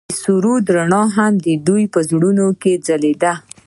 د سرود رڼا هم د دوی په زړونو کې ځلېده.